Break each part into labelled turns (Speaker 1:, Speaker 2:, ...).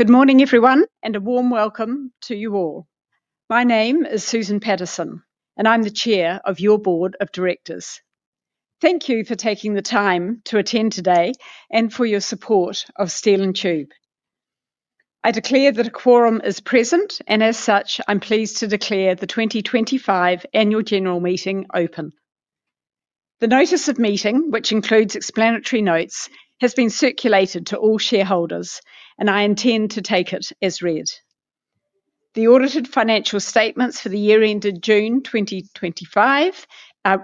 Speaker 1: Good morning, everyone, and a warm welcome to you all. My name is Susan Paterson, and I'm the Chair of your Board of Directors. Thank you for taking the time to attend today and for your support of Steel & Tube. I declare that a quorum is present, and as such, I'm pleased to declare the 2025 annual general meeting open. The notice of meeting, which includes explanatory notes, has been circulated to all shareholders, and I intend to take it as read. The audited financial statements for the year ended June 2025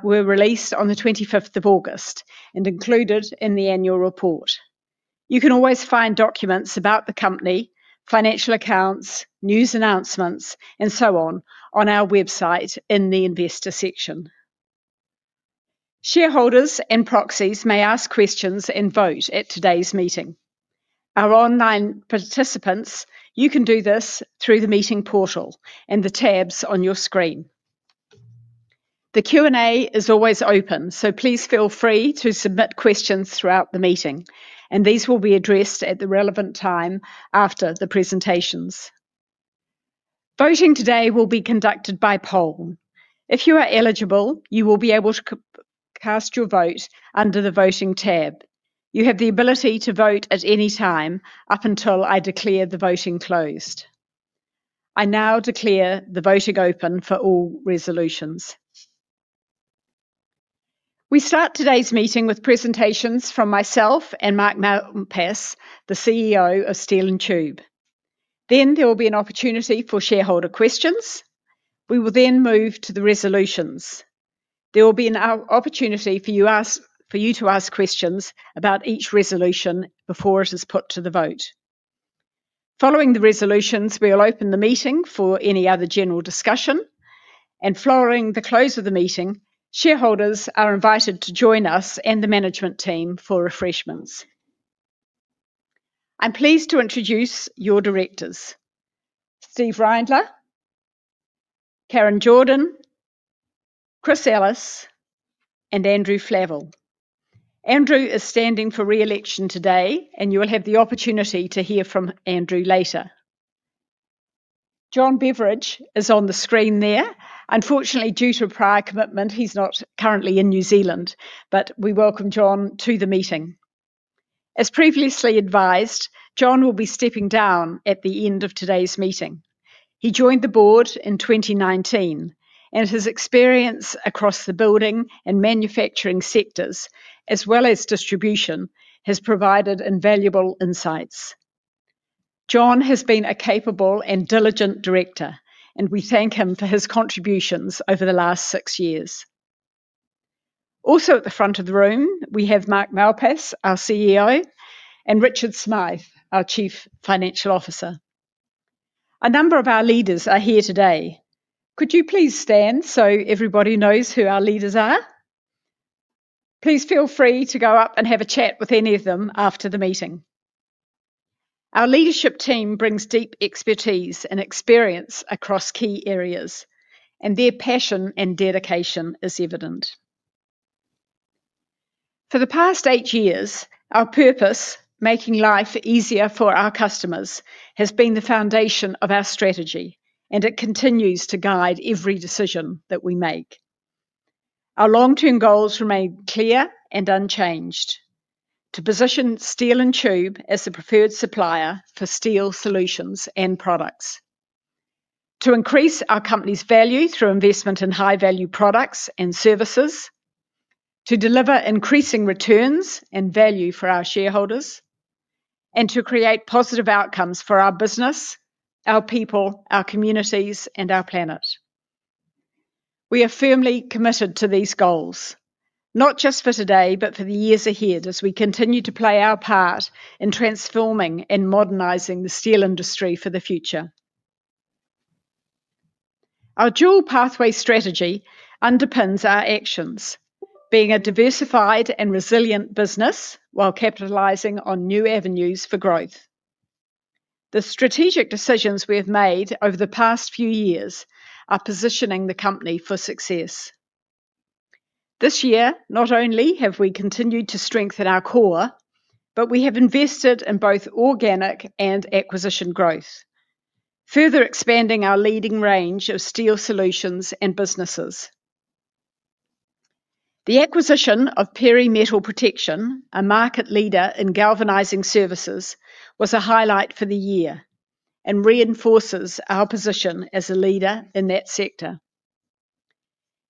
Speaker 1: were released on the 25th of August and included in the annual report. You can always find documents about the company, financial accounts, news announcements, and so on on our website in the Investor section. Shareholders and proxies may ask questions and vote at today's meeting. Our online participants, you can do this through the meeting portal in the tabs on your screen. The Q&A is always open, so please feel free to submit questions throughout the meeting, and these will be addressed at the relevant time after the presentations. Voting today will be conducted by poll. If you are eligible, you will be able to cast your vote under the voting tab. You have the ability to vote at any time up until I declare the voting closed. I now declare the voting open for all resolutions. We start today's meeting with presentations from myself and Mark Malpass, the CEO of Steel & Tube. There will be an opportunity for Shareholder questions. We will then move to the resolutions. There will be an opportunity for you to ask questions about each resolution before it is put to the vote. Following the resolutions, we will open the meeting for any other general discussion, and following the close of the meeting, shareholders are invited to join us and the management team for refreshments. I'm pleased to introduce your directors: Steve Reindler, Karen Jordan, Chris Ellis, and Andrew Flavell. Andrew is standing for re-election today, and you will have the opportunity to hear from Andrew later. John Beveridge is on the screen there. Unfortunately, due to a prior commitment, he's not currently in New Zealand, but we welcome John to the meeting. As previously advised, John will be stepping down at the end of today's meeting. He joined the board in 2019, and his experience across the building and manufacturing sectors, as well as distribution, has provided invaluable insights. John has been a capable and diligent director, and we thank him for his contributions over the last six years. Also at the front of the room, we have Mark Malpass, our CEO, and Richard Smyth, our Chief Financial Officer. A number of our leaders are here today. Could you please stand so everybody knows who our leaders are? Please feel free to go up and have a chat with any of them after the meeting. Our leadership team brings deep expertise and experience across key areas, and their passion and dedication is evident. For the past eight years, our purpose, making life easier for our customers, has been the foundation of our strategy, and it continues to guide every decision that we make. Our long-term goals remain clear and unchanged: to position Steel & Tube as the preferred supplier for steel solutions and products, to increase our company's value through investment in high-value products and services, to deliver increasing returns and value for our shareholders, and to create positive outcomes for our business, our people, our communities, and our planet. We are firmly committed to these goals, not just for today, but for the years ahead as we continue to play our part in transforming and modernizing the steel industry for the future. Our dual pathway strategy underpins our actions, being a diversified and resilient business while capitalizing on new avenues for growth. The strategic decisions we have made over the past few years are positioning the company for success. This year, not only have we continued to strengthen our core, but we have invested in both organic and acquisition growth, further expanding our leading range of steel solutions and businesses. The acquisition of Perry Metal Protection, a market leader in galvanizing services, was a highlight for the year and reinforces our position as a leader in that sector.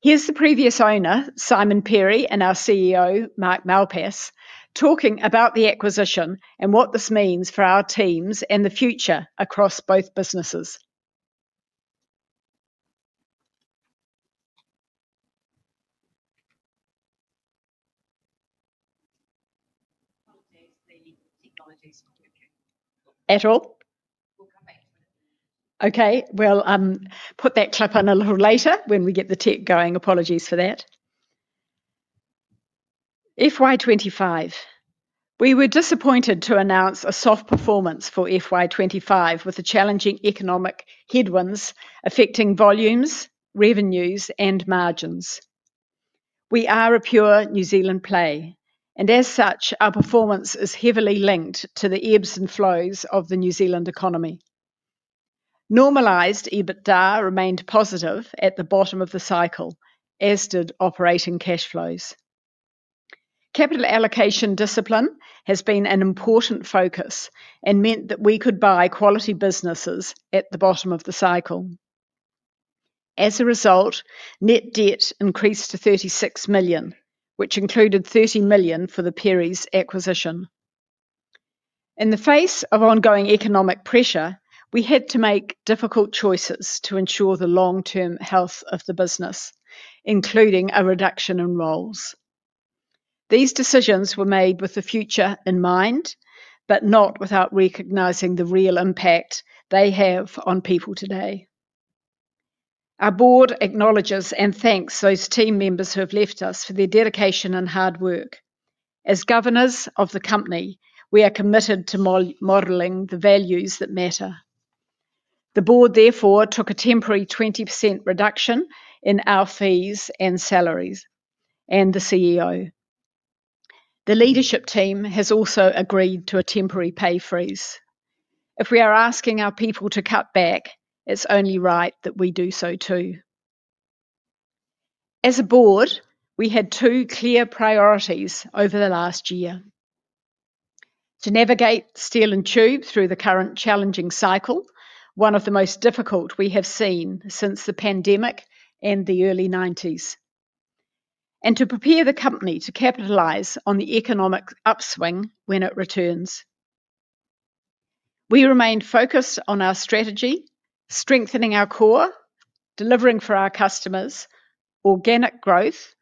Speaker 1: Here's the previous owner, Simon Perry, and our CEO, Mark Malpass, talking about the acquisition and what this means for our teams and the future across both businesses. At all? Okay, I'll put that clip on a little later when we get the tech going. Apologies for that. For FY 2025, we were disappointed to announce a soft performance for FY 2025 with the challenging economic headwinds affecting volumes, revenues, and margins. We are a pure New Zealand play, and as such, our performance is heavily linked to the ebbs and flows of the New Zealand economy. Normalized EBITDA remained positive at the bottom of the cycle, as did operating cash flows. Capital allocation discipline has been an important focus and meant that we could buy quality businesses at the bottom of the cycle. As a result, net debt increased to $36 million, which included $30 million for the Perry's acquisition. In the face of ongoing economic pressure, we had to make difficult choices to ensure the long-term health of the business, including a reduction in roles. These decisions were made with the future in mind, but not without recognizing the real impact they have on people today. Our Board acknowledges and thanks those team members who have left us for their dedication and hard work. As governors of the company, we are committed to modeling the values that matter. The Board, therefore, took a temporary 20% reduction in our fees and salaries, and the CEO. The leadership team has also agreed to a temporary pay freeze. If we are asking our people to cut back, it's only right that we do so too. As a Board, we had two clear priorities over the last year: to navigate Steel & Tube through the current challenging cycle, one of the most difficult we have seen since the pandemic and the early 1990s, and to prepare the company to capitalize on the economic upswing when it returns. We remained focused on our strategy, strengthening our core, delivering for our customers, organic growth,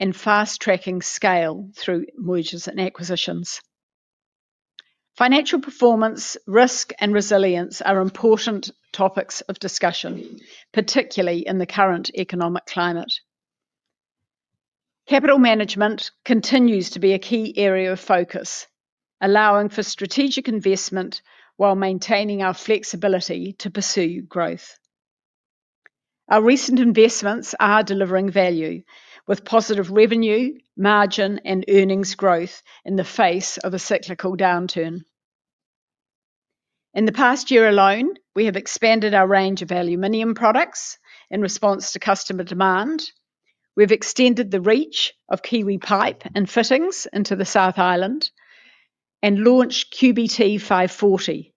Speaker 1: and fast-tracking scale through mergers and acquisitions. Financial performance, risk, and resilience are important topics of discussion, particularly in the current economic climate. Capital management continues to be a key area of focus, allowing for strategic investment while maintaining our flexibility to pursue growth. Our recent investments are delivering value with positive revenue, margin, and earnings growth in the face of a cyclical downturn. In the past year alone, we have expanded our range of aluminum products in response to customer demand. We've extended the reach Kiwi Pipe & Fittings into the South Island and launched QBT540,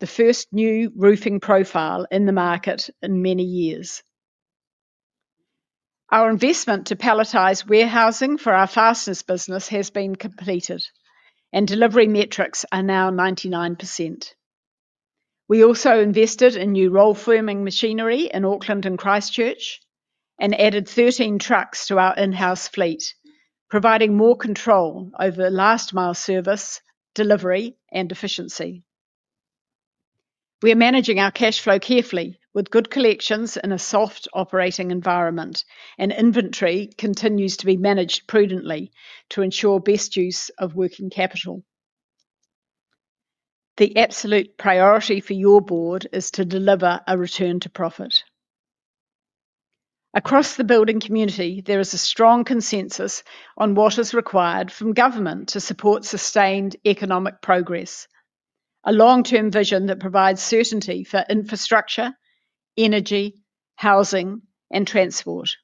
Speaker 1: the first new roofing profile in the market in many years. Our investment to palletize warehousing for our fastness business has been completed, and delivery metrics are now 99%. We also invested in new roll-forming machinery in Auckland and Christchurch and added 13 trucks to our in-house fleet, providing more control over last-mile service, delivery, and efficiency. We are managing our cash flow carefully with good collections in a soft operating environment, and inventory continues to be managed prudently to ensure best use of working capital. The absolute priority for your Board is to deliver a return to profit. Across the building community, there is a strong consensus on what is required from government to support sustained economic progress, a long-term vision that provides certainty for infrastructure, energy, housing, and transport.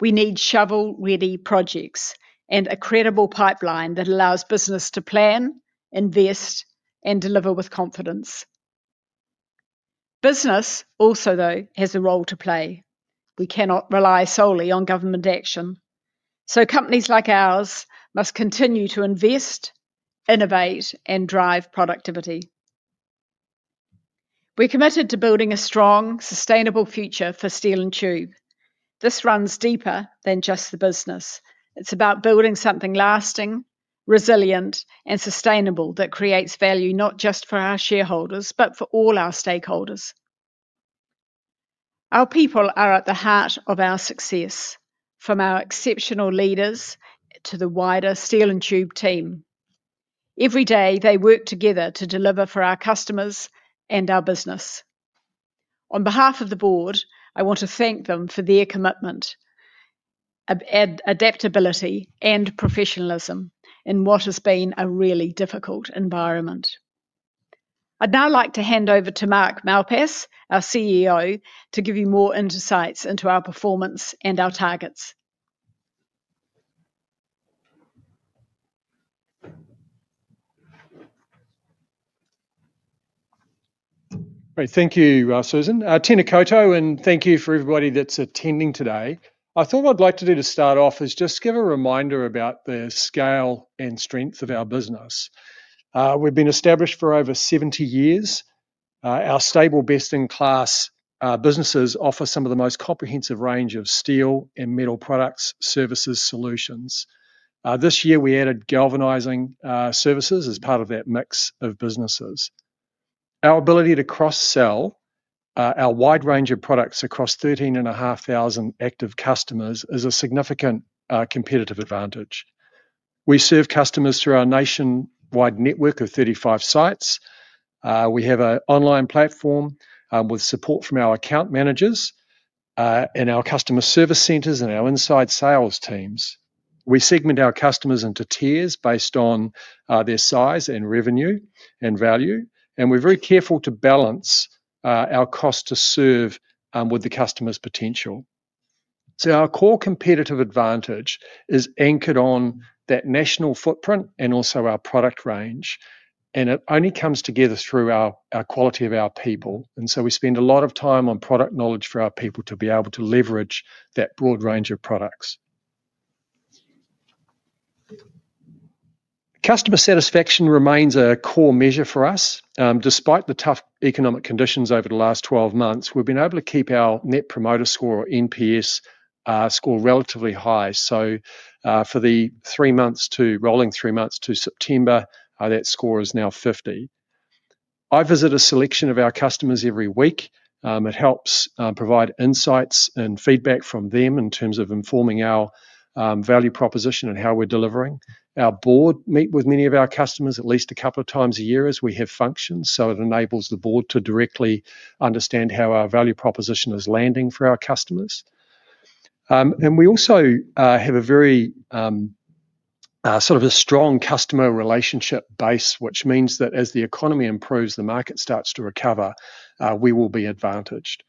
Speaker 1: We need shovel-ready projects and a credible pipeline that allows business to plan, invest, and deliver with confidence. Business also, though, has a role to play. We cannot rely solely on government action. Companies like ours must continue to invest, innovate, and drive productivity. We're committed to building a strong, sustainable future for Steel & Tube. This runs deeper than just the business. It's about building something lasting, resilient, and sustainable that creates value not just for our shareholders, but for all our stakeholders. Our people are at the heart of our success, from our exceptional leaders to the wider Steel & Tube team. Every day, they work together to deliver for our customers and our business. On behalf of the Board, I want to thank them for their commitment, adaptability, and professionalism in what has been a really difficult environment. I'd now like to hand over to Mark Malpass, our CEO, to give you more insights into our performance and our targets.
Speaker 2: Great, thank you, Susan. [Tina Coto] and thank you for everybody that's attending today. I thought what I'd like to do to start off is just give a reminder about the scale and strength of our business. We've been established for over 70 years. Our stable, best-in-class businesses offer some of the most comprehensive range of steel and metal products, services, and solutions. This year, we added galvanizing services as part of that mix of businesses. Our ability to cross-sell our wide range of products across 13,500 active customers is a significant competitive advantage. We serve customers through our nationwide network of 35 sites. We have an online platform with support from our account managers and our customer service centers and our inside sales teams. We segment our customers into tiers based on their size and revenue and value, and we're very careful to balance our cost to serve with the customer's potential. Our core competitive advantage is anchored on that national footprint and also our product range, and it only comes together through the quality of our people. We spend a lot of time on product knowledge for our people to be able to leverage that broad range of products. Customer satisfaction remains a core measure for us. Despite the tough economic conditions over the last 12 months, we've been able to keep our Net Promoter Score, or NPS, score relatively high. For the three months to rolling, three months to September, that score is now 50. I visit a selection of our customers every week. It helps provide insights and feedback from them in terms of informing our value proposition and how we're delivering. Our board meets with many of our customers at least a couple of times a year as we have functions, which enables the board to directly understand how our value proposition is landing for our customers. We also have a very sort of strong customer relationship base, which means that as the economy improves, the market starts to recover, we will be advantaged.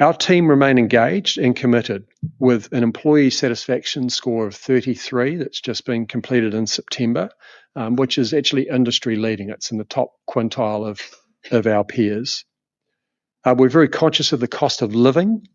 Speaker 2: Our team remains engaged and committed, with an employee satisfaction score of 33 that's just been completed in September, which is actually industry-leading. It's in the top quintile of our peers. We're very conscious of the cost of living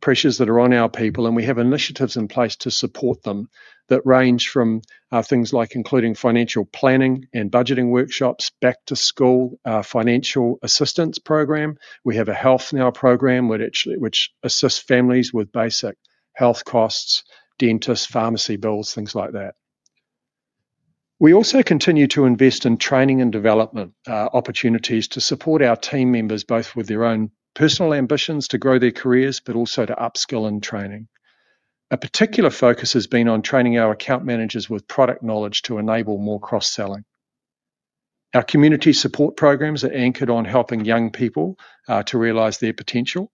Speaker 2: pressures that are on our people, and we have initiatives in place to support them that range from things like including financial planning and budgeting workshops, back-to-school financial assistance program. We have a Healthnow Programme which assists families with basic health costs, dentists, pharmacy bills, things like that. We also continue to invest in training and development opportunities to support our team members, both with their own personal ambitions to grow their careers, but also to upskill in training. A particular focus has been on training our account managers with product knowledge to enable more cross-selling. Our community support programs are anchored on helping young people to realize their potential.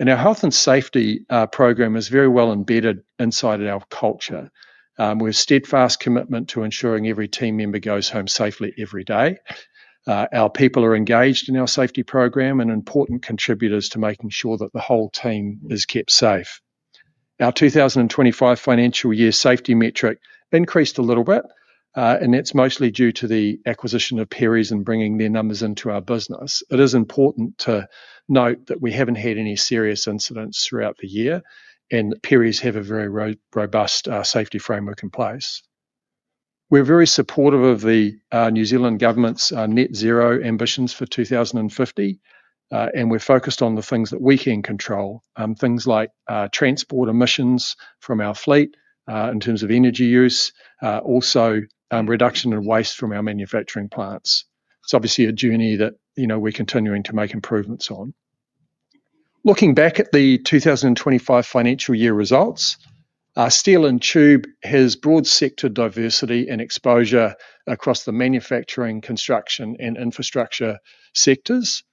Speaker 2: Our health and safety program is very well embedded inside our culture, with a steadfast commitment to ensuring every team member goes home safely every day. Our people are engaged in our safety program and are important contributors to making sure that the whole team is kept safe. Our 2025 financial year safety metric increased a little bit, and that's mostly due to the acquisition of Perry's and bringing their numbers into our business. It is important to note that we haven't had any serious incidents throughout the year, and Perry's have a very robust safety framework in place. We're very supportive of the New Zealand government's net zero ambitions for 2050, and we're focused on the things that we can control, things like transport emissions from our fleet in terms of energy use, also reduction in waste from our manufacturing plants. It's obviously a journey that we're continuing to make improvements on. Looking back at the 2025 financial year results, Steel & Tube has broad sector diversity and exposure across the manufacturing, construction, and infrastructure sectors.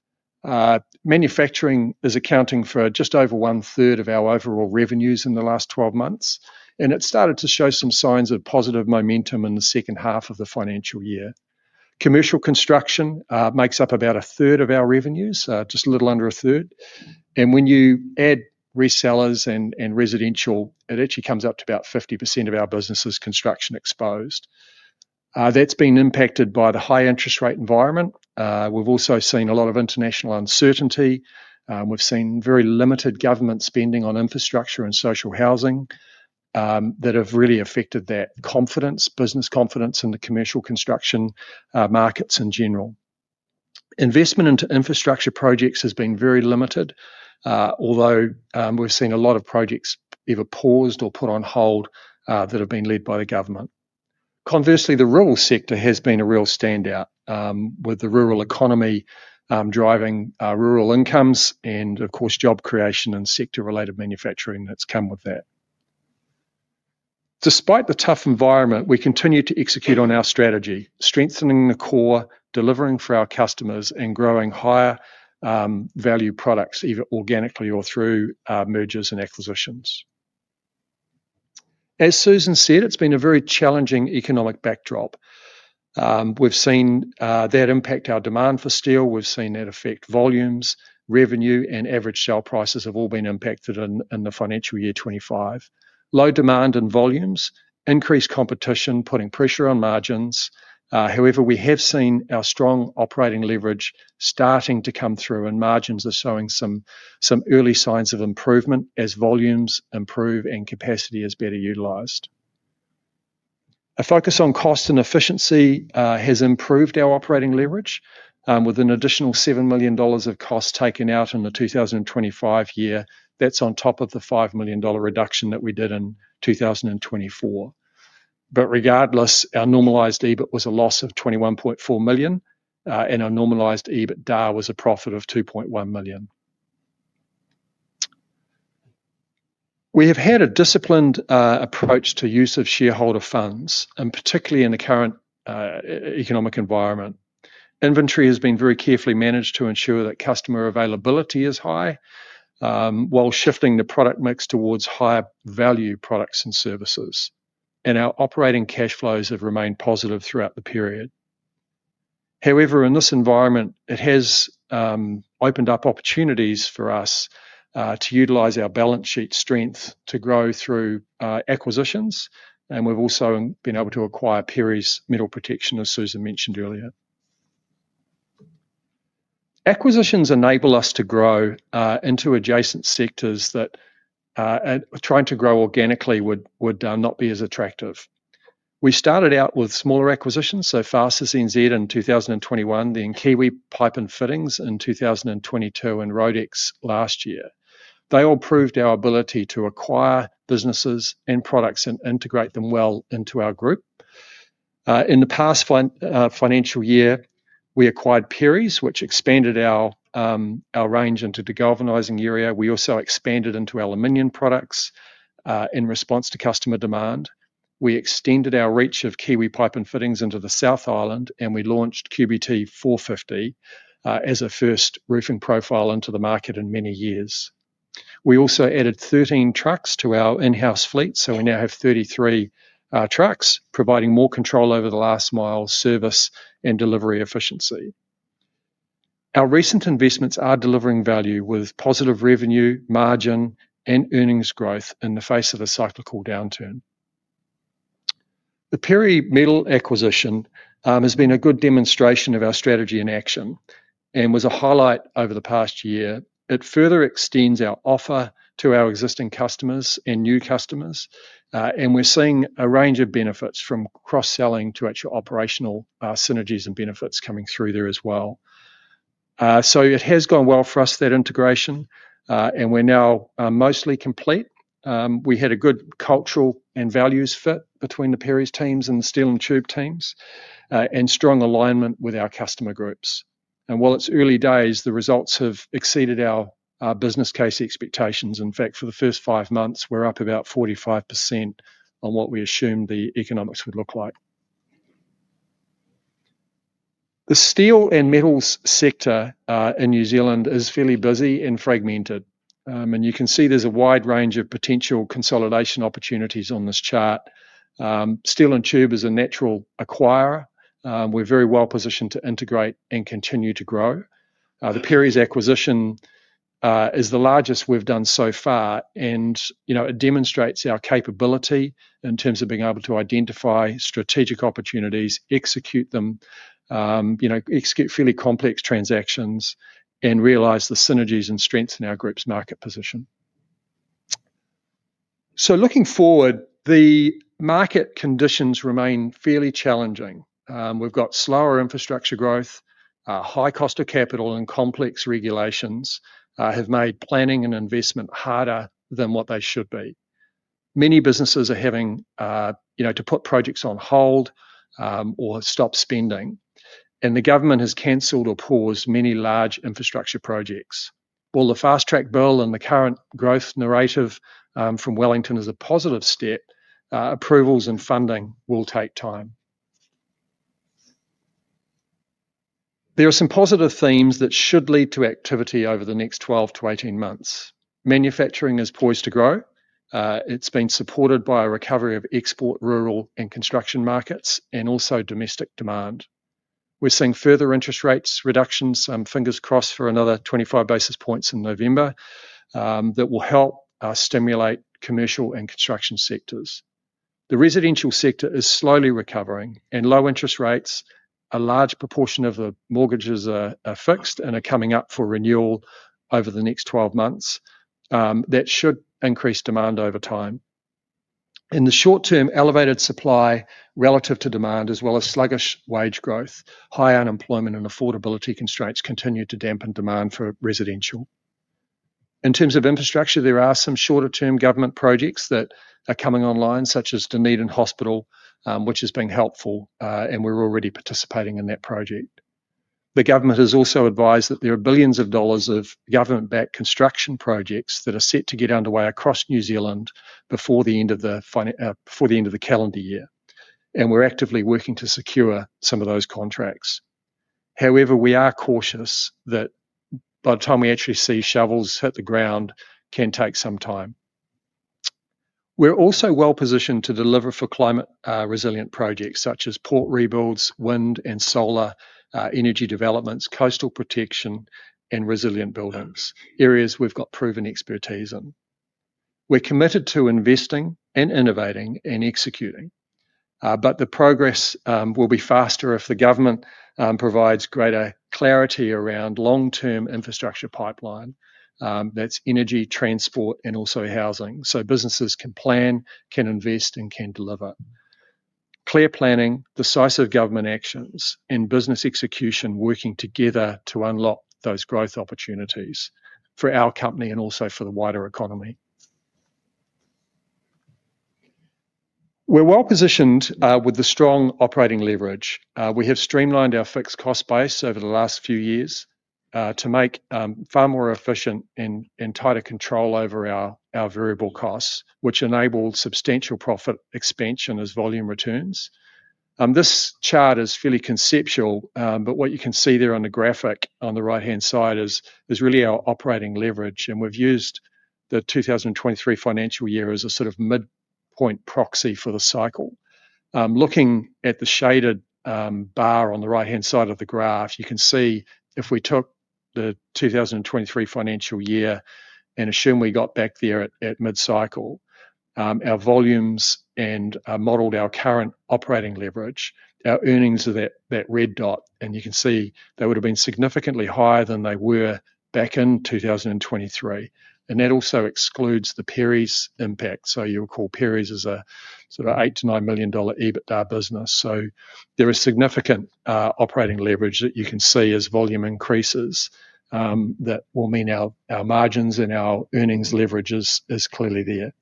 Speaker 2: Manufacturing is accounting for just over one-third of our overall revenues in the last 12 months, and it started to show some signs of positive momentum in the second half of the financial year. Commercial construction makes up about a third of our revenues, just a little under a third, and when you add resellers and residential, it actually comes up to about 50% of our business's construction exposed. That has been impacted by the high interest rate environment. We've also seen a lot of international uncertainty. We've seen very limited government spending on infrastructure and social housing that have really affected that confidence, business confidence in the commercial construction markets in general. Investment into infrastructure projects has been very limited, although we've seen a lot of projects either paused or put on hold that have been led by the government. Conversely, the rural sector has been a real standout, with the rural economy driving rural incomes and, of course, job creation and sector-related manufacturing that's come with that. Despite the tough environment, we continue to execute on our strategy, strengthening the core, delivering for our customers, and growing higher value products, either organically or through mergers and acquisitions. As Susan said, it's been a very challenging economic backdrop. We've seen that impact our demand for steel. We've seen that affect volumes, revenue, and average sale prices have all been impacted in the financial year 2025. Low demand and volumes increase competition, putting pressure on margins. However, we have seen our strong operating leverage starting to come through, and margins are showing some early signs of improvement as volumes improve and capacity is better utilized. A focus on cost and efficiency has improved our operating leverage, with an additional $7 million of costs taken out in the 2025 year. That's on top of the $5 million reduction that we did in 2024. Regardless, our normalized EBIT was a loss of $21.4 million, and our normalized EBITDA was a profit of $2.1 million. We have had a disciplined approach to use of shareholder funds, and particularly in the current economic environment. Inventory has been very carefully managed to ensure that customer availability is high while shifting the product mix towards higher value products and services, and our operating cash flows have remained positive throughout the period. However, in this environment, it has opened up opportunities for us to utilize our balance sheet strength to grow through acquisitions, and we've also been able to acquire Perry's Metal Protection, as Susan mentioned earlier. Acquisitions enable us to grow into adjacent sectors that trying to grow organically would not be as attractive. We started out with smaller acquisitions, so Fasteners NZ in 2021, Kiwi Pipe & Fittings in 2022, and Roadex last year. They all proved our ability to acquire businesses and products and integrate them well into our group. In the past financial year, we acquired Perry's, which expanded our range into the galvanizing area. We also expanded into aluminum products in response to customer demand. We extended our reach Kiwi Pipe & Fittings into the South Island, and we launched QBT450 as a first roofing profile into the market in many years. We also added 13 trucks to our in-house fleet, so we now have 33 trucks, providing more control over the last mile, service, and delivery efficiency. Our recent investments are delivering value with positive revenue, margin, and earnings growth in the face of a cyclical downturn. The Perry Metal acquisition has been a good demonstration of our strategy in action and was a highlight over the past year. It further extends our offer to our existing customers and new customers, and we're seeing a range of benefits from cross-selling to actual operational synergies and benefits coming through there as well. It has gone well for us, that integration, and we're now mostly complete. We had a good cultural and values fit between the Perry's teams and the Steel & Tube teams and strong alignment with our customer groups. While it's early days, the results have exceeded our business case expectations. In fact, for the first five months, we're up about 45% on what we assumed the economics would look like. The steel and metals sector in New Zealand is fairly busy and fragmented, and you can see there's a wide range of potential consolidation opportunities on this chart. Steel & Tube is a natural acquirer. We're very well positioned to integrate and continue to grow. The Perry's acquisition is the largest we've done so far, and it demonstrates our capability in terms of being able to identify strategic opportunities, execute them, execute fairly complex transactions, and realize the synergies and strengths in our group's market position. Looking forward, the market conditions remain fairly challenging. We've got slower infrastructure growth, high cost of capital, and complex regulations have made planning and investment harder than what they should be. Many businesses are having to put projects on hold or stop spending, and the government has canceled or paused many large infrastructure projects. While the fast-track bill and the current growth narrative from Wellington is a positive step, approvals and funding will take time. There are some positive themes that should lead to activity over the next 12 to 18 months. Manufacturing is poised to grow. It's been supported by a recovery of export, rural, and construction markets, and also domestic demand. We're seeing further interest rates reductions, fingers crossed for another 25 basis points in November that will help stimulate commercial and construction sectors. The residential sector is slowly recovering, and low interest rates, a large proportion of the mortgages are fixed and are coming up for renewal over the next 12 months. That should increase demand over time. In the short term, elevated supply relative to demand, as well as sluggish wage growth, high unemployment, and affordability constraints continue to dampen demand for residential. In terms of infrastructure, there are some shorter-term government projects that are coming online, such as Dunedin Hospital, which has been helpful, and we're already participating in that project. The government has also advised that there are billions of dollars of government-backed construction projects that are set to get underway across New Zealand before the end of the calendar year, and we're actively working to secure some of those contracts. However, we are cautious that by the time we actually see shovels hit the ground, it can take some time. We're also well positioned to deliver for climate-resilient projects such as port rebuilds, wind and solar energy developments, coastal protection, and resilient buildings, areas we've got proven expertise in. We're committed to investing and innovating and executing, but the progress will be faster if the government provides greater clarity around long-term infrastructure pipeline. That's energy, transport, and also housing, so businesses can plan, can invest, and can deliver. Clear planning, decisive government actions, and business execution working together to unlock those growth opportunities for our company and also for the wider economy. We're well positioned with the strong operating leverage. We have streamlined our fixed cost base over the last few years to make far more efficient and tighter control over our variable costs, which enabled substantial profit expansion as volume returns. This chart is fairly conceptual, but what you can see there on the graphic on the right-hand side is really our operating leverage, and we've used the 2023 financial year as a sort of midpoint proxy for the cycle. Looking at the shaded bar on the right-hand side of the graph, you can see if we took the 2023 financial year and assume we got back there at mid-cycle, our volumes modeled our current operating leverage, our earnings are that red dot, and you can see they would have been significantly higher than they were back in 2023. That also excludes the Perry's impact. You would call Perry's as a sort of $8 million-$9 million EBITDA business. There is significant operating leverage that you can see as volume increases that will mean our margins and our earnings leverage is clearly there.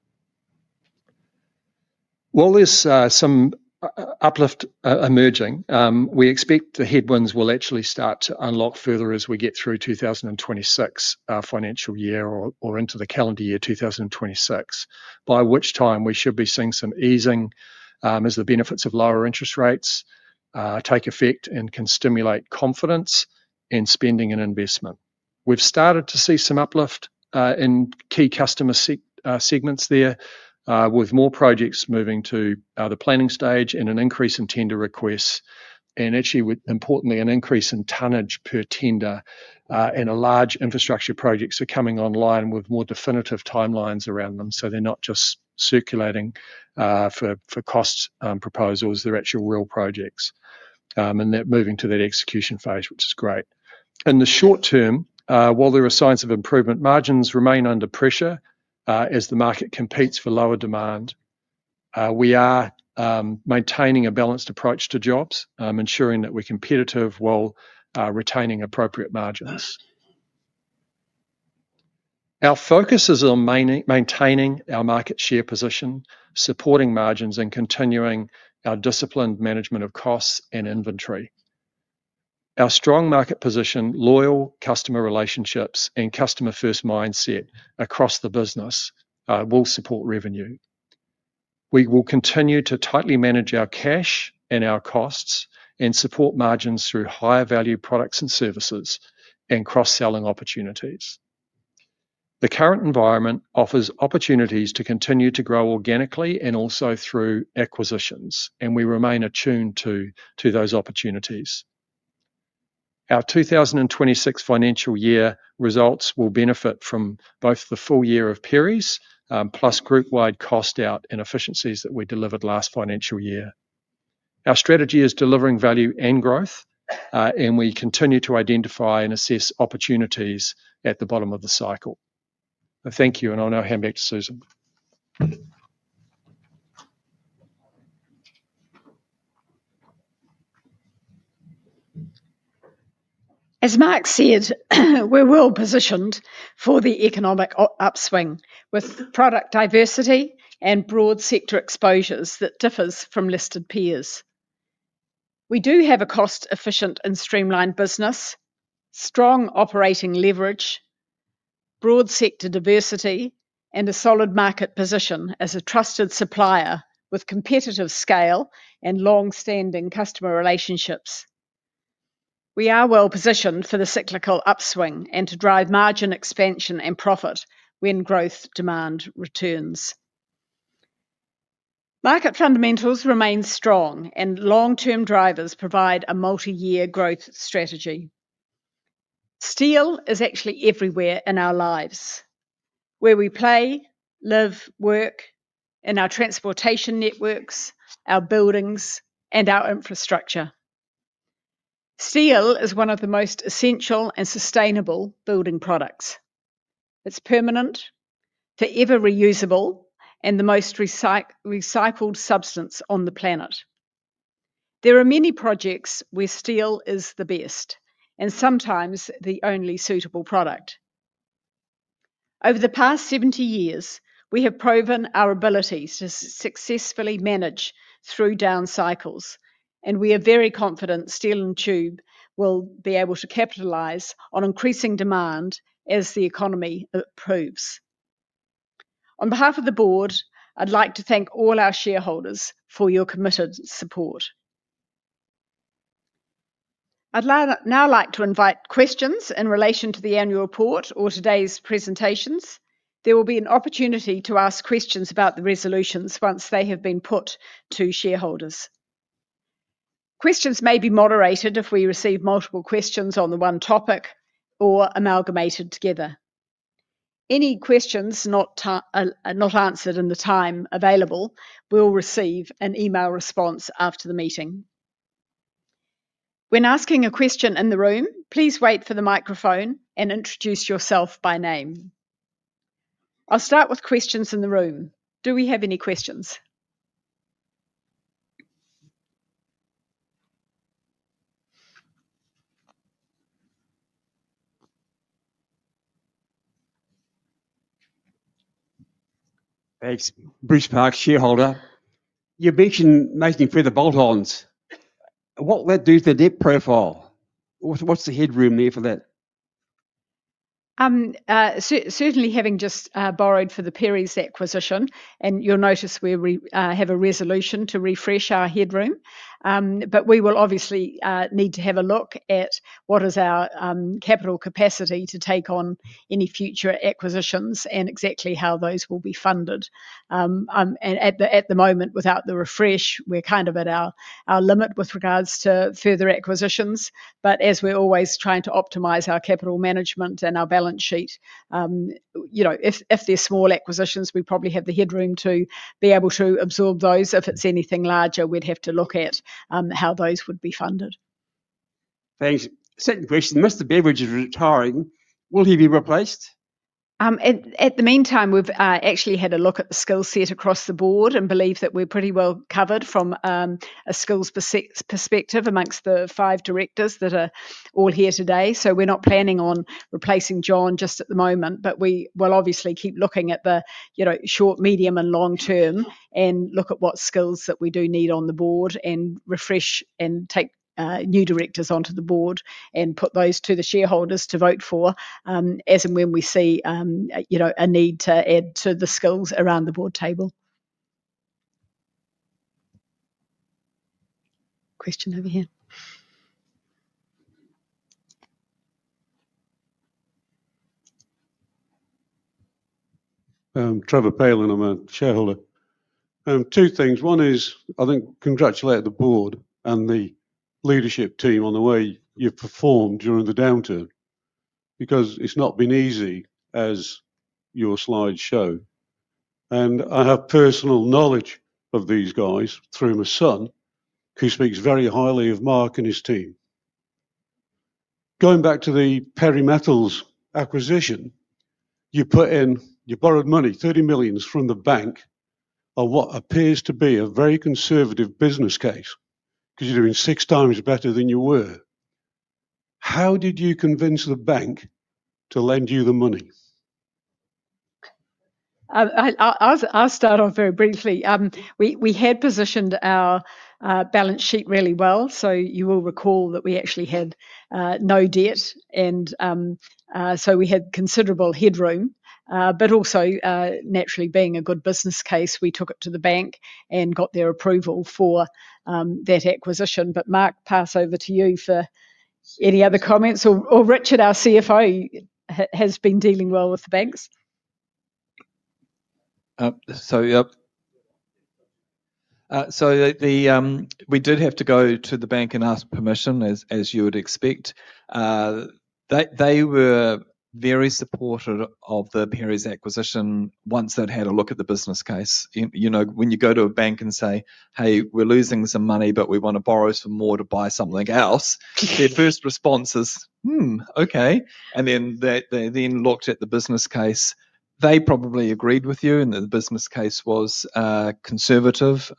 Speaker 2: While there's some uplift emerging, we expect the headwinds will actually start to unlock further as we get through the 2026 financial year or into the calendar year 2026, by which time we should be seeing some easing as the benefits of lower interest rates take effect and can stimulate confidence in spending and investment. We've started to see some uplift in key customer segments there, with more projects moving to the planning stage and an increase in tender requests, and actually, importantly, an increase in tonnage per tender. Large infrastructure projects are coming online with more definitive timelines around them, so they're not just circulating for cost proposals. They're actual real projects, and they're moving to that execution phase, which is great. In the short term, while there are signs of improvement, margins remain under pressure as the market competes for lower demand. We are maintaining a balanced approach to jobs, ensuring that we're competitive while retaining appropriate margins. Our focus is on maintaining our market share position, supporting margins, and continuing our disciplined management of costs and inventory. Our strong market position, loyal customer relationships, and customer-first mindset across the business will support revenue. We will continue to tightly manage our cash and our costs and support margins through higher value products and services and cross-selling opportunities. The current environment offers opportunities to continue to grow organically and also through acquisitions, and we remain attuned to those opportunities. Our 2026 financial year results will benefit from both the full year of Perry's plus group-wide cost out and efficiencies that we delivered last financial year. Our strategy is delivering value and growth, and we continue to identify and assess opportunities at the bottom of the cycle. Thank you, and I'll now hand back to Susan.
Speaker 1: As Mark said, we're well positioned for the economic upswing with product diversity and broad sector exposures that differ from listed peers. We do have a cost-efficient and streamlined business, strong operating leverage, broad sector diversity, and a solid market position as a trusted supplier with competitive scale and long-standing customer relationships. We are well positioned for the cyclical upswing and to drive margin expansion and profit when growth demand returns. Market fundamentals remain strong, and long-term drivers provide a multi-year growth strategy. Steel is actually everywhere in our lives, where we play, live, work, in our transportation networks, our buildings, and our infrastructure. Steel is one of the most essential and sustainable building products. It's permanent, forever reusable, and the most recycled substance on the planet. There are many projects where steel is the best and sometimes the only suitable product. Over the past 70 years, we have proven our ability to successfully manage through down cycles, and we are very confident Steel & Tube will be able to capitalize on increasing demand as the economy improves. On behalf of the board, I'd like to thank all our shareholders for your committed support. I'd now like to invite questions in relation to the annual report or today's presentations. There will be an opportunity to ask questions about the resolutions once they have been put to shareholders. Questions may be moderated if we receive multiple questions on the one topic or amalgamated together. Any questions not answered in the time available will receive an email response after the meeting. When asking a question in the room, please wait for the microphone and introduce yourself by name. I'll start with questions in the room. Do we have any questions? Thanks, Bridgepark shareholder. You're mentioning mostly through the bolt-ons. What will that do to the net profile? What's the headroom there for that? Certainly, having just borrowed for the Perry's acquisition, and you'll notice where we have a resolution to refresh our headroom, we will obviously need to have a look at what is our capital capacity to take on any future acquisitions and exactly how those will be funded. At the moment, without the refresh, we're kind of at our limit with regards to further acquisitions, as we're always trying to optimize our capital management and our balance sheet. If they're small acquisitions, we probably have the headroom to be able to absorb those. If it's anything larger, we'd have to look at how those would be funded. Thanks. Second question, Mr. Beveridge is retiring. Will he be replaced? In the meantime, we've actually had a look at the skill set across the board and believe that we're pretty well covered from a skills perspective amongst the five directors that are all here today. We're not planning on replacing John just at the moment, but we will obviously keep looking at the short, medium, and long term and look at what skills that we do need on the board and refresh and take new directors onto the board and put those to the shareholders to vote for as and when we see, you know, a need to add to the skills around the board table. Question over here. I'm a shareholder. Two things. One is, I think, congratulate the board and the leadership team on the way you've performed during the downturn because it's not been easy, as your slides show. I have personal knowledge of these guys through my son, who speaks very highly of Mark and his team. Going back to the Perry Metal's acquisition, you put in, you borrowed money, $30 million, from the bank of what appears to be a very conservative business case because you're doing six times better than you were. How did you convince the bank to lend you the money? I'll start off very briefly. We had positioned our balance sheet really well, so you will recall that we actually had no debt, and we had considerable headroom, also naturally being a good business case, we took it to the bank and got their approval for that acquisition. Mark, pass over to you for any other comments, or Richard, our CFO, has been dealing well with the banks.
Speaker 2: Yes. We did have to go to the bank and ask permission, as you would expect. They were very supportive of the Perry's acquisition once they'd had a look at the business case. You know, when you go to a bank and say, "Hey, we're losing some money, but we want to borrow some more to buy something else," their first response is, "Okay." They then looked at the business case. They probably agreed with you that the business case was conservative.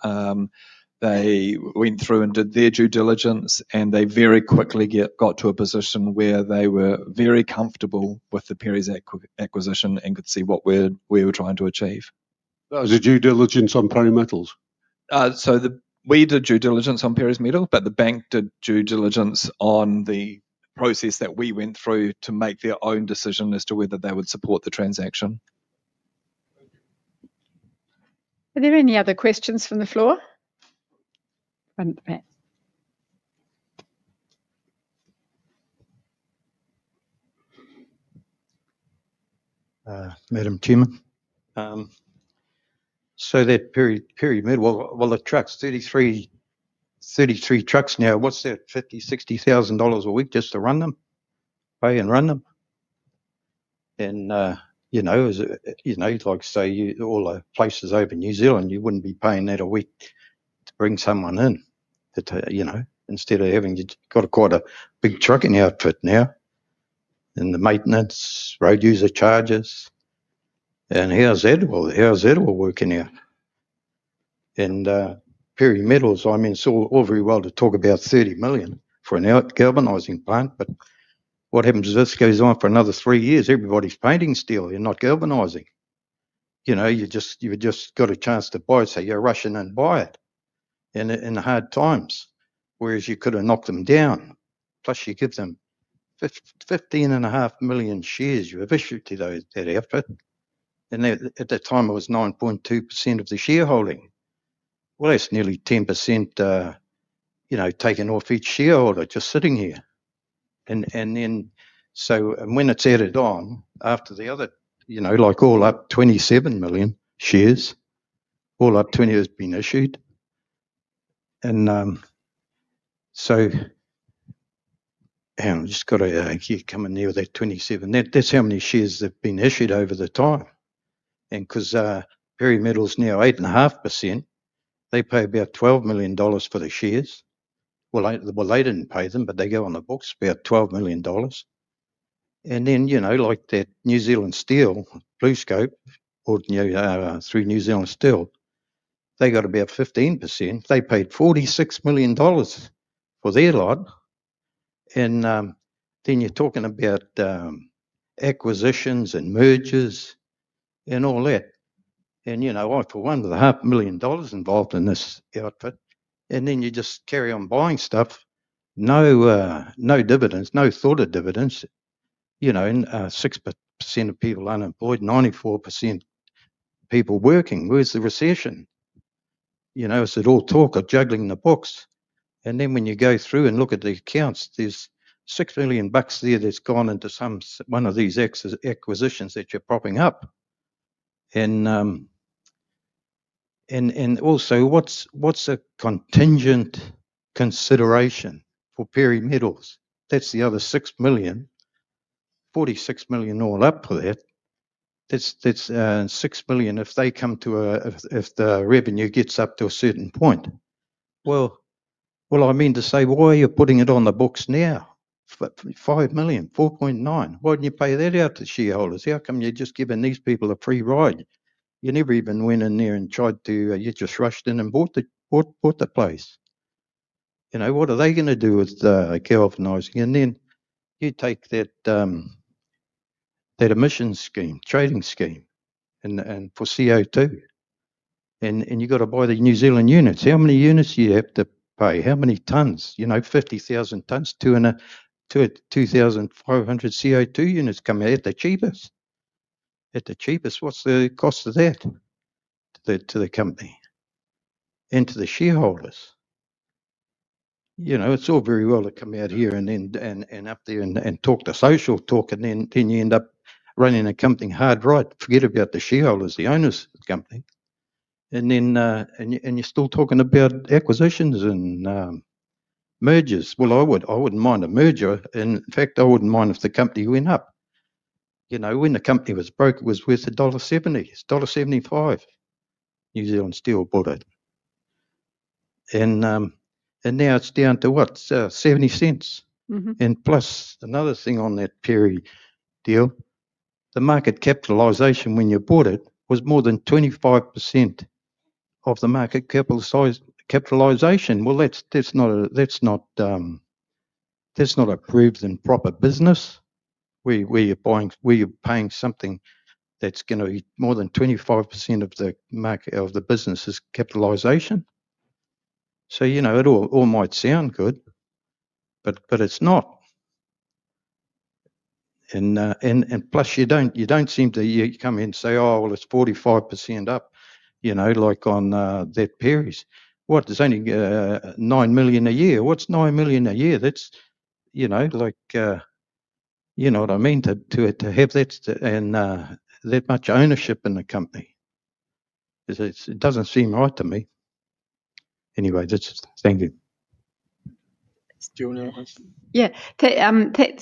Speaker 2: They went through and did their due diligence, and they very quickly got to a position where they were very comfortable with the Perry's acquisition and could see what we were trying to achieve. That was a due diligence on Perry Metals. We did due diligence on Perry Metals, but the bank did due diligence on the process that we went through to make their own decision as to whether they would support the transaction.
Speaker 1: Are there any other questions from the floor? Madam Chairman. So, that Perry Metal, well, the trucks, 33 trucks now, what's that, $50,000, $60,000 a week just to run them, pay and run them? You know, like I say, all the places over New Zealand, you wouldn't be paying that a week to bring someone in. Instead of having got quite a big trucking output now, and the maintenance, road user charges, and how's edible working out? Perry Metals, I mean, it's all very well to talk about $30 million for an outgalvanizing plant, but what happens if this goes on for another three years? Everybody's painting still. You're not galvanizing. You just got a chance to buy it, so you're rushing and buy it in hard times, whereas you could have knocked them down. Plus, you give them 15.5 million shares. You have issued to that output. At that time, it was 9.2% of the shareholding. That's nearly 10% taken off each shareholder just sitting here. When it's added on after the other, like all up 27 million shares, all up 20 has been issued. I just got a year coming near that 27. That's how many shares have been issued over the time. Because Perry Metals is now 8.5%, they pay about $12 million for the shares. They didn't pay them, but they go on the books about $12 million. Like that New Zealand Steel, BlueScope or through New Zealand Steel, they got about 15%. They paid $46 million for their line. You're talking about acquisitions and mergers and all that. I thought, under the half million dollars involved in this output. You just carry on buying stuff. No dividends, no thought of dividends. 6% of people unemployed, 94% people working. Where's the recession? It's all talk of juggling the books. When you go through and look at the accounts, there's $6 million there that's gone into one of these acquisitions that you're propping up. Also, what's a contingent consideration for Perry Metals? That's the other $6 million, $46 million all up for that. That's $6 million if they come to a, if the revenue gets up to a certain point. I mean to say, why are you putting it on the books now? $5 million, $4.9 million. Why didn't you pay that out to shareholders? How come you're just giving these people a free ride? You never even went in there and tried to, you just rushed in and bought the place. What are they going to do with galvanizing? You take that emission trading scheme for CO2, and you've got to buy the New Zealand units. How many units do you have to pay? How many tons? You know, 50,000 tons, 2,500 CO2 units coming out at the cheapest. At the cheapest, what's the cost of that to the company and to the shareholders? It's all very well to come out here and up there and talk the social talk, and then you end up running a company hard right. Forget about the shareholders, the owners of the company. You're still talking about acquisitions and mergers. I wouldn't mind a merger. In fact, I wouldn't mind if the company went up. When the company was broke, it was worth $1.70. It's $1.75. New Zealand Steel bought it. Now it's down to what? $0.70. Plus, another thing on that Perry deal, the market capitalization when you bought it was more than 25% of the market capitalization. That's not approved in proper business. We are buying, we are paying something that's going to be more than 25% of the market of the business's capitalization. It all might sound good, but it's not. Plus, you don't seem to come in and say, oh, well, it's 45% up, like on that Perry's. What? There's only $9 million a year. What's $9 million a year? That's, you know what I mean, to have that and that much ownership in the company. It doesn't seem right to me. Anyway, that's it. Thank you.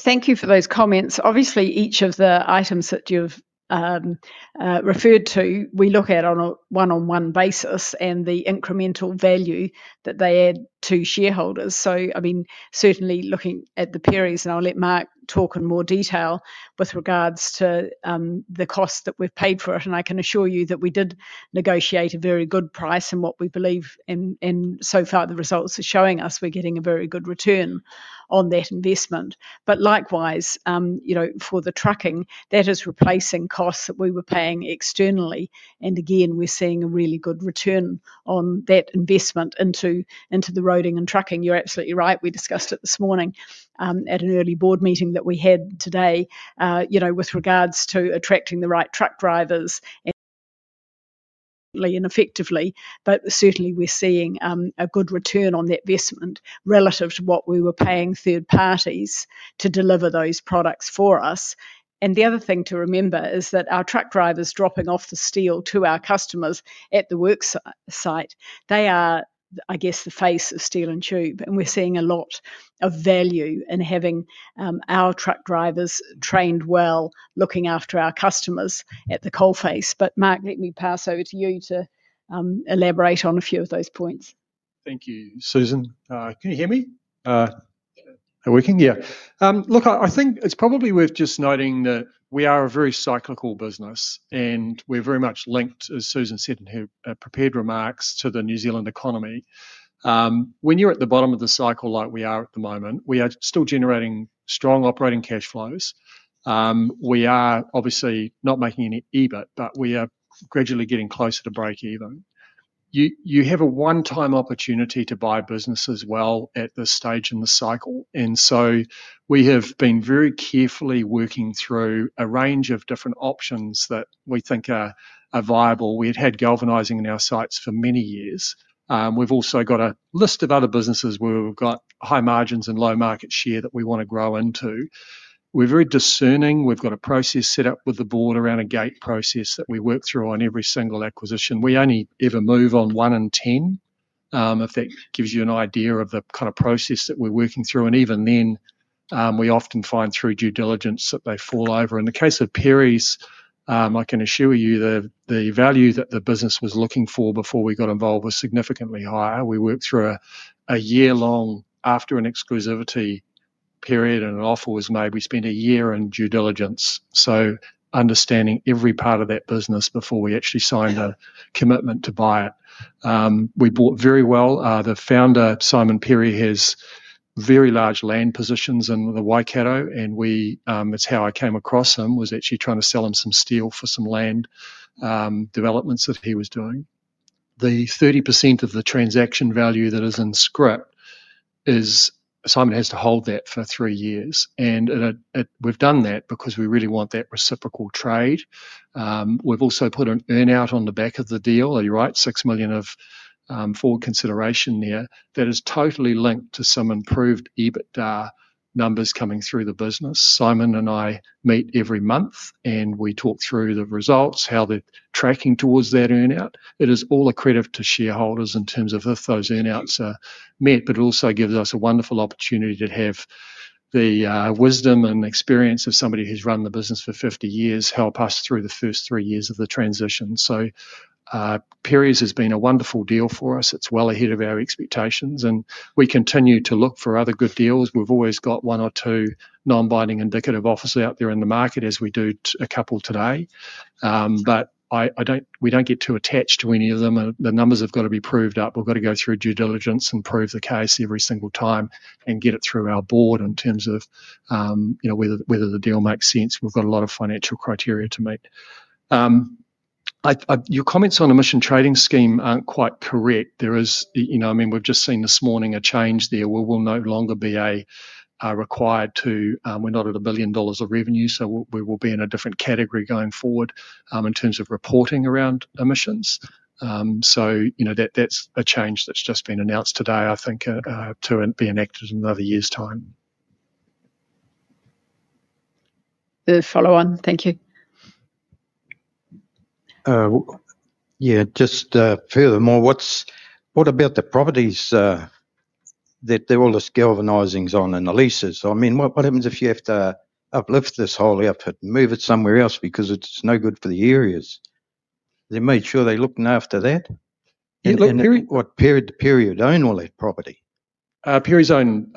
Speaker 1: Thank you for those comments. Obviously, each of the items that you've referred to, we look at on a one-on-one basis and the incremental value that they add to shareholders. Certainly, looking at the Perry's, and I'll let Mark talk in more detail with regards to the cost that we've paid for it. I can assure you that we did negotiate a very good price, and what we believe in so far, the results are showing us we're getting a very good return on that investment. Likewise, for the trucking, that is replacing costs that we were paying externally. Again, we're seeing a really good return on that investment into the roading and trucking. You're absolutely right. We discussed it this morning at an early board meeting that we had today with regards to attracting the right truck drivers effectively. Certainly, we're seeing a good return on that investment relative to what we were paying third parties to deliver those products for us. The other thing to remember is that our truck drivers dropping off the steel to our customers at the worksite, they are, I guess, the face of Steel & Tube. We're seeing a lot of value in having our truck drivers trained well, looking after our customers at the coalface. Mark, let me pass over to you to elaborate on a few of those points.
Speaker 2: Thank you, Susan. Can you hear me? Are you working? Yeah. Look, I think it's probably worth just noting that we are a very cyclical business, and we're very much linked, as Susan said in her prepared remarks, to the New Zealand economy. When you're at the bottom of the cycle, like we are at the moment, we are still generating strong operating cash flows. We are obviously not making any EBIT, but we are gradually getting closer to break even. You have a one-time opportunity to buy business as well at this stage in the cycle. We have been very carefully working through a range of different options that we think are viable. We had had galvanizing in our sights for many years. We've also got a list of other businesses where we've got high margins and low market share that we want to grow into. We're very discerning. We've got a process set up with the board around a gate process that we work through on every single acquisition. We only ever move on one in ten, if that gives you an idea of the kind of process that we're working through. Even then, we often find through due diligence that they fall over. In the case of Perry's, I can assure you that the value that the business was looking for before we got involved was significantly higher. We worked through a year-long after an exclusivity period and an offer was made. We spent a year in due diligence, so understanding every part of that business before we actually signed a commitment to buy it. We bought very well. The founder, Simon Perry, has very large land positions in the Waikato, and it's how I came across him, was actually trying to sell him some steel for some land developments that he was doing. The 30% of the transaction value that is in script is Simon has to hold that for three years. We've done that because we really want that reciprocal trade. We've also put an earnout on the back of the deal, are you right? $6 million of forward consideration there that is totally linked to some improved EBITDA numbers coming through the business. Simon and I meet every month, and we talk through the results, how they're tracking towards that earnout. It is all a credit to shareholders in terms of if those earnouts are met, but it also gives us a wonderful opportunity to have the wisdom and experience of somebody who's run the business for 50 years help us through the first three years of the transition. Perry's has been a wonderful deal for us. It's well ahead of our expectations, and we continue to look for other good deals. We've always got one or two non-binding indicative offers out there in the market, as we do a couple today. We don't get too attached to any of them. The numbers have got to be proved up. We've got to go through due diligence and prove the case every single time and get it through our board in terms of whether the deal makes sense. We've got a lot of financial criteria to meet. Your comments on the emission trading scheme aren't quite correct. There is, you know, we've just seen this morning a change there. We will no longer be required to, we're not at $1 billion of revenue, so we will be in a different category going forward in terms of reporting around emissions. That's a change that's just been announced today, I think, to be enacted in another year's time.
Speaker 1: The follow-on, thank you. Yeah, just furthermore, what about the properties that all this galvanizing is on and the leases? I mean, what happens if you have to uplift this whole effort and move it somewhere else because it's no good for the areas? They made sure they're looking after that. What period annually property?
Speaker 2: Perry's own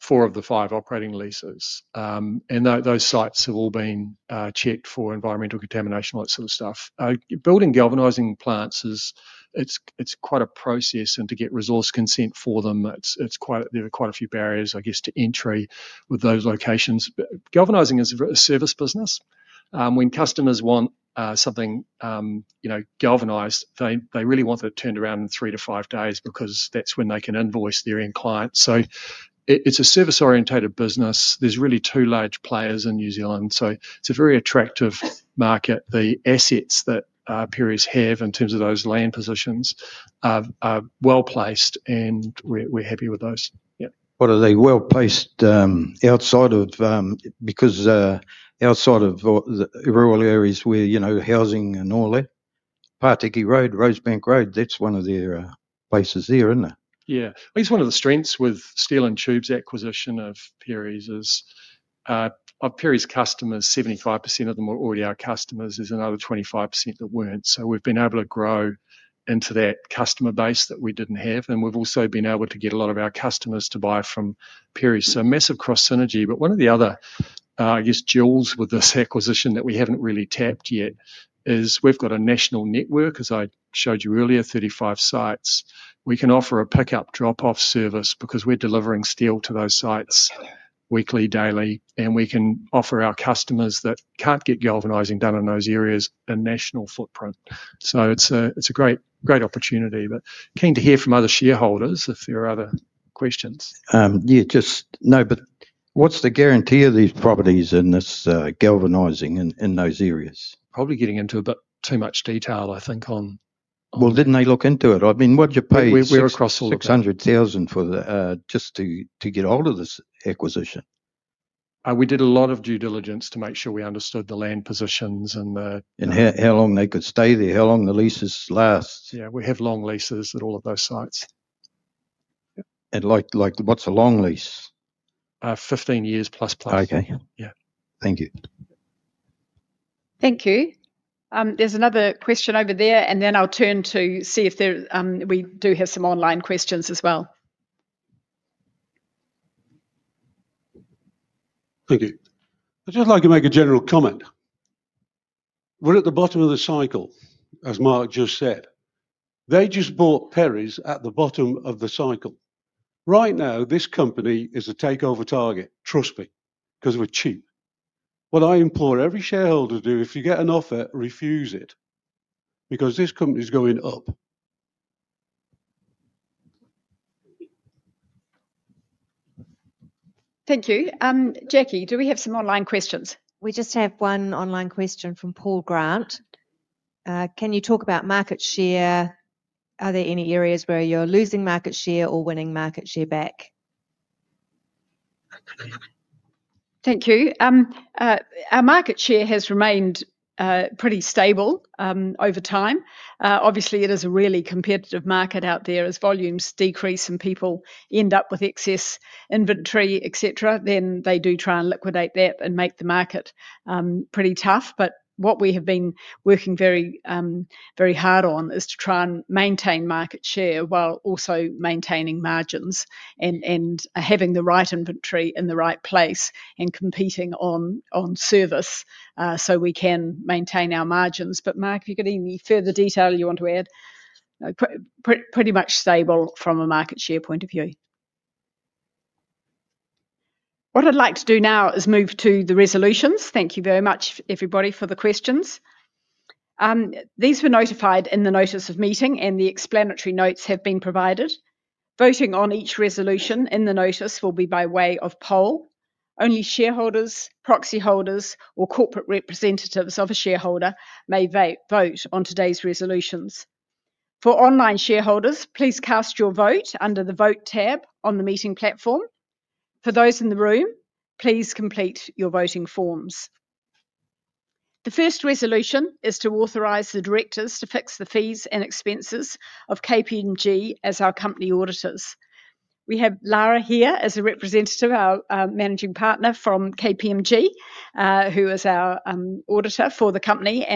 Speaker 2: four of the five operating leases, and those sites have all been checked for environmental contamination, all that sort of stuff. Building galvanizing plants is quite a process, and to get resource consent for them, there are quite a few barriers to entry with those locations. Galvanizing is a service business. When customers want something galvanized, they really want it turned around in three to five days because that's when they can invoice their end clients. It's a service-oriented business. There are really two large players in New Zealand, so it's a very attractive market. The assets that Perry's have in terms of those land positions are well placed, and we're happy with those. What are they well placed outside of, because outside of the rural areas where, you know, housing and all that? Patiki Road, Rosebank Road, that's one of their places there, isn't it? I guess one of the strengths with Steel & Tube's acquisition of Perry's, Perry's customers, 75% of them were already our customers. There's another 25% that weren't. We've been able to grow into that customer base that we didn't have, and we've also been able to get a lot of our customers to buy from Perry's. Massive cross-synergy. One of the other jewels with this acquisition that we haven't really tapped yet is we've got a national network, as I showed you earlier, 35 sites. We can offer a pickup, drop-off service because we're delivering steel to those sites weekly, daily, and we can offer our customers that can't get galvanizing done in those areas a national footprint. It's a great opportunity, but keen to hear from other shareholders if there are other questions. Yeah, just, what's the guarantee of these properties in this galvanizing in those areas? Probably getting into a bit too much detail, I think. Didn't they look into it? I mean, what did you pay? We're across all the. $600,000 for just to get hold of this acquisition. We did a lot of due diligence to make sure we understood the land positions and the. How long they could stay there, how long the leases last? Yeah, we have long leases at all of those sites. What's a long lease? 15 years+. Okay, yeah, thank you.
Speaker 1: Thank you. There's another question over there, and then I'll turn to see if we do have some online questions as well. Thank you. I'd just like to make a general comment. We're at the bottom of the cycle, as Mark just said. They just bought Perry's at the bottom of the cycle. Right now, this company is a takeover target, trust me, because we're cheap. What I implore every shareholder to do, if you get an offer, refuse it because this company is going up. Thank you. Jackie, do we have some online questions? We just have one online question from Paul Grant. Can you talk about market share? Are there any areas where you're losing market share or winning market share back? Thank you. Our market share has remained pretty stable over time. Obviously, it is a really competitive market out there. As volumes decrease and people end up with excess inventory, etc., they do try and liquidate that and make the market pretty tough. What we have been working very hard on is to try and maintain market share while also maintaining margins and having the right inventory in the right place and competing on service so we can maintain our margins. Mark, if you've got any further detail you want to add, pretty much stable from a market share point of view. What I'd like to do now is move to the resolutions. Thank you very much, everybody, for the questions. These were notified in the notice of meeting, and the explanatory notes have been provided. Voting on each resolution in the notice will be by way of poll. Only shareholders, proxy holders, or corporate representatives of a shareholder may vote on today's resolutions. For online shareholders, please cast your vote under the vote tab on the meeting platform. For those in the room, please complete your voting forms. The first resolution is to authorize the directors to fix the fees and expenses of KPMG as our company auditors. We have Lara here as a representative, our Managing Partner from KPMG, who is our auditor for the company.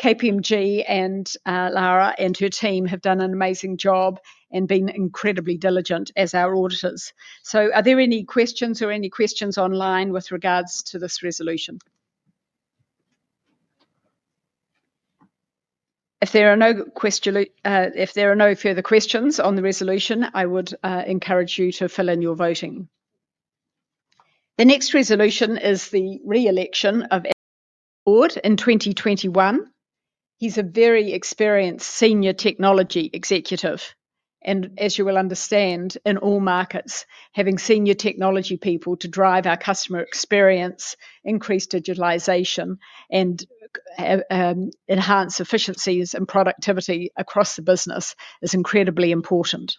Speaker 1: KPMG and Lara and her team have done an amazing job and been incredibly diligent as our auditors. Are there any questions or any questions online with regards to this resolution? If there are no further questions on the resolution, I would encourage you to fill in your voting. The next resolution is the re-election of our board in 2021. He's a very experienced Senior Technology Executive. As you will understand, in all markets, having senior technology people to drive our customer experience, increase digitalization, and enhance efficiencies and productivity across the business is incredibly important.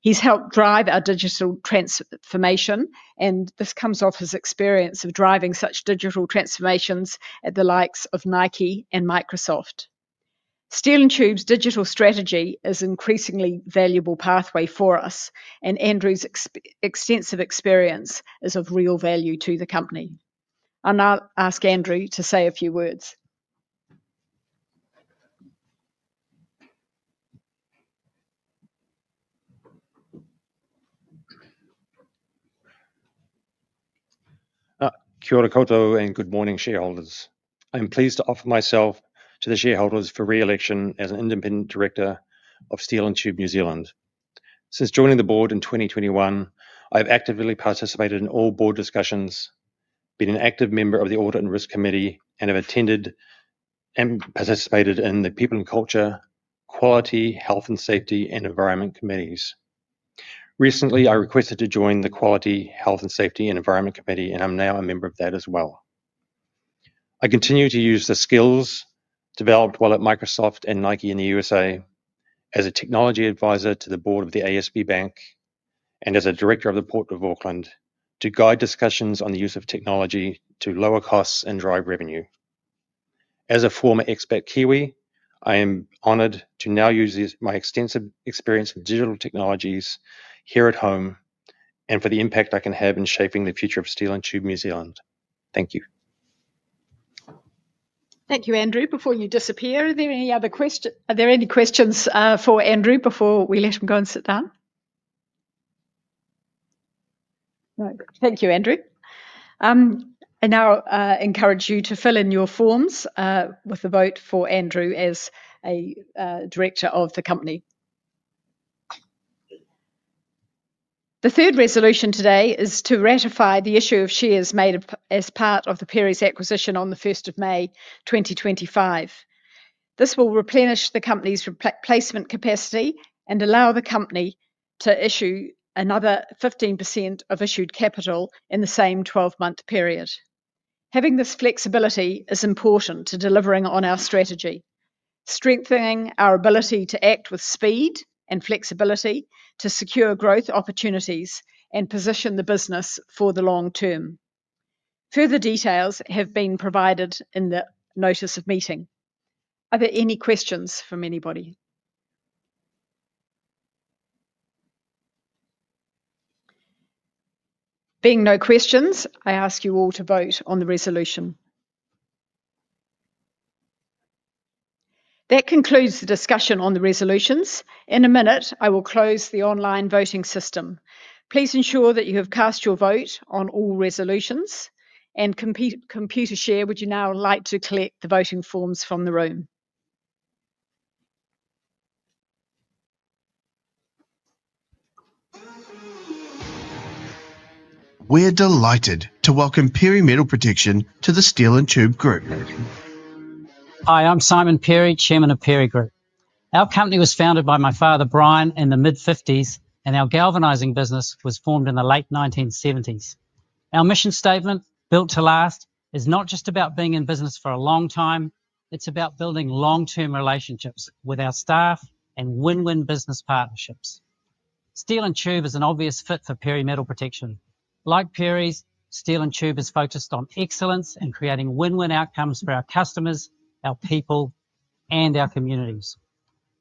Speaker 1: He's helped drive our digital transformation, and this comes off his experience of driving such digital transformations at the likes of Nike and Microsoft. Steel & Tube's digital strategy is an increasingly valuable pathway for us, and Andrew's extensive experience is of real value to the company. I'll now ask Andrew to say a few words.
Speaker 3: Kia ora koutou and good morning, shareholders. I'm pleased to offer myself to the shareholders for re-election as an Independent Director of Steel & Tube New Zealand. Since joining the board in 2021, I've actively participated in all board discussions, been an active member of the Audit and Risk Committee, and I've attended and participated in the People & Culture, Quality, Health & Safety, and Environment committees. Recently, I requested to join the Quality, Health & Safety, and Environment Committee, and I'm now a member of that as well. I continue to use the skills developed while at Microsoft and Nike in the U.S.A. as a technology advisor to the board of the ASB Bank and as a Director of the Port of Auckland to guide discussions on the use of technology to lower costs and drive revenue. As a former expat Kiwi, I am honored to now use my extensive experience with digital technologies here at home and for the impact I can have in shaping the future of Steel & Tube New Zealand. Thank you.
Speaker 1: Thank you, Andrew. Before you disappear, are there any other questions? Are there any questions for Andrew before we let him go and sit down? Thank you, Andrew. I now encourage you to fill in your forms with a vote for Andrew as a Director of the company. The third resolution today is to ratify the issue of shares made as part of the Perry's acquisition on the 1st of May 2025. This will replenish the company's replacement capacity and allow the company to issue another 15% of issued capital in the same 12-month period. Having this flexibility is important to delivering on our strategy, strengthening our ability to act with speed and flexibility to secure growth opportunities and position the business for the long term. Further details have been provided in the notice of meeting. Are there any questions from anybody? Being no questions, I ask you all to vote on the resolution. That concludes the discussion on the resolutions. In a minute, I will close the online voting system. Please ensure that you have cast your vote on all resolutions, and Computershare, would you now like to collect the voting forms from the room? We're delighted to welcome Perry Metal Protection to the Steel & Tube. Hi, I'm Simon Perry, Chairman of Perry Group. Our company was founded by my father, Brian, in the mid-1950s, and our galvanizing business was formed in the late 1970s. Our mission statement, Built to Last, is not just about being in business for a long time, it's about building long-term relationships with our staff and win-win business partnerships. Steel & Tube is an obvious fit for Perry Metal Protection. Like Perry's, Steel & Tube is focused on excellence and creating win-win outcomes for our customers, our people, and our communities.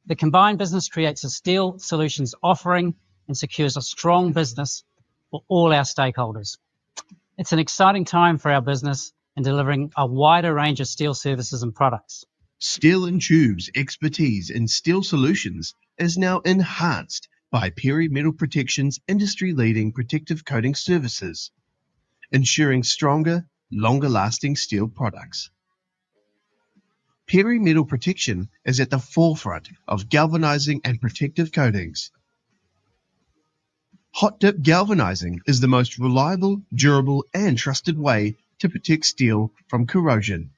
Speaker 1: The combined business creates a steel solutions offering and secures a strong business for all our stakeholders. It's an exciting time for our business in delivering a wider range of steel services and products. Steel & Tube's expertise in steel solutions is now enhanced by Perry Metal Protection's industry-leading protective coating services, ensuring stronger, longer-lasting steel products. Perry Metal Protection is at the forefront of galvanizing and protective coatings. Hot-dip galvanizing is the most reliable, durable, and trusted way to protect steel from corrosion.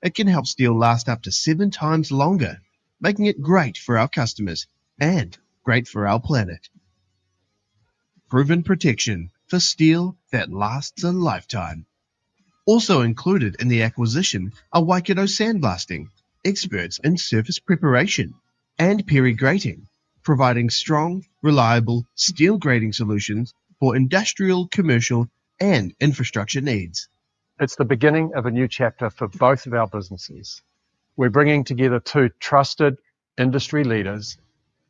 Speaker 1: It can help steel last up to seven times longer, making it great for our customers and great for our planet. Proven protection for steel that lasts a lifetime. Also included in the acquisition are Waikato Sandblasting, experts in surface preparation, and Perry Grating, providing strong, reliable steel grating solutions for industrial, commercial, and infrastructure needs. It's the beginning of a new chapter for both of our businesses. We're bringing together two trusted industry leaders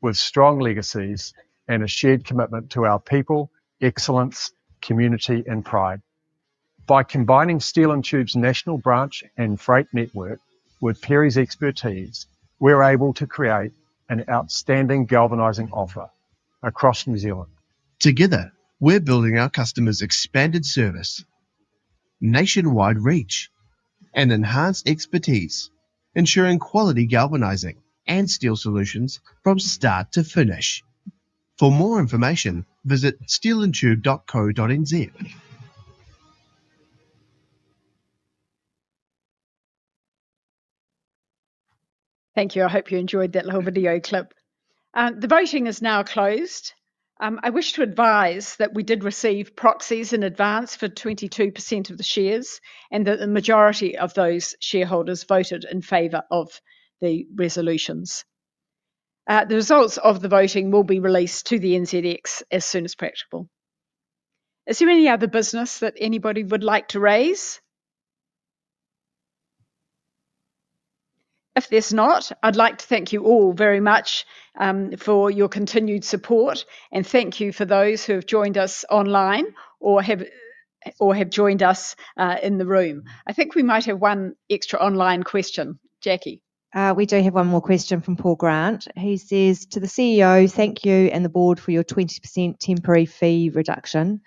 Speaker 1: with strong legacies and a shared commitment to our people, excellence, community, and pride. By combining Steel & Tube's national branch and freight network with Perry's expertise, we're able to create an outstanding galvanizing offer across New Zealand. Together, we're building our customers' expanded service, nationwide reach, and enhanced expertise, ensuring quality galvanizing and steel solutions from start to finish. For more information, visit steelandtube.co.nz. Thank you. I hope you enjoyed that little video clip. The voting is now closed. I wish to advise that we did receive proxies in advance for 22% of the shares and that the majority of those shareholders voted in favor of the resolutions. The results of the voting will be released to the NZX as soon as practical. Is there any other business that anybody would like to raise? If there's not, I'd like to thank you all very much for your continued support and thank you for those who have joined us online or have joined us in the room. I think we might have one extra online question. Jackie? We do have one more question from Paul Grant. He says, to the CEO, thank you and the board for your 20% temporary fee reduction.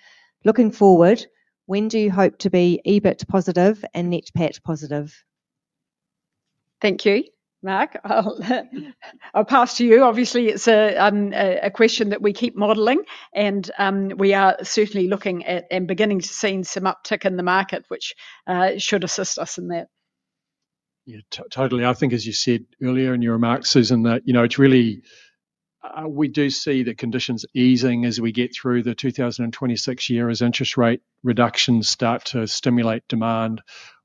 Speaker 1: Looking forward, when do you hope to be EBIT positive and net PAT positive? Thank you, Mark. I'll pass to you. Obviously, it's a question that we keep modeling, and we are certainly looking at and beginning to see some uptick in the market, which should assist us in that.
Speaker 2: Yeah, totally. I think, as you said earlier in your remark, Susan, that, you know, it's really, we do see the conditions easing as we get through the 2026 year as interest rate reductions start to stimulate demand.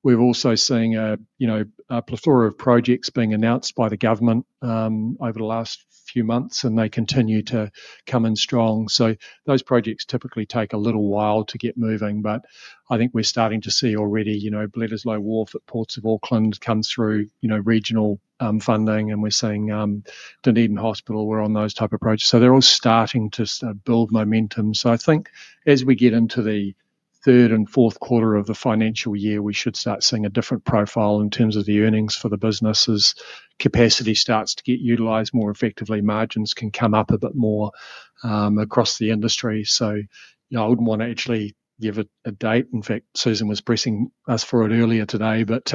Speaker 2: We've also seen a, you know, a plethora of projects being announced by the government over the last few months, and they continue to come in strong. Those projects typically take a little while to get moving, but I think we're starting to see already, you know, Bledisloe Wharf at Ports of Auckland come through, you know, regional funding, and we're seeing Dunedin Hospital, we're on those type of projects. They're all starting to build momentum. I think as we get into the third and fourth quarter of the financial year, we should start seeing a different profile in terms of the earnings for the businesses. Capacity starts to get utilized more effectively. Margins can come up a bit more across the industry. I wouldn't want to actually give a date. In fact, Susan was pressing us for it earlier today, but,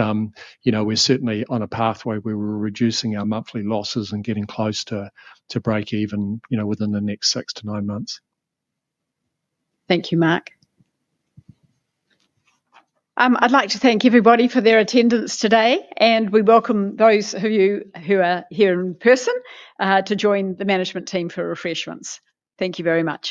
Speaker 2: you know, we're certainly on a pathway where we're reducing our monthly losses and getting close to break even, you know, within the next six to nine months.
Speaker 1: Thank you, Mark. I'd like to thank everybody for their attendance today, and we welcome those of you who are here in person to join the management team for refreshments. Thank you very much.